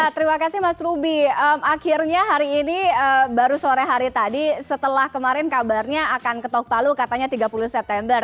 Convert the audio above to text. terima kasih mas ruby akhirnya hari ini baru sore hari tadi setelah kemarin kabarnya akan ketok palu katanya tiga puluh september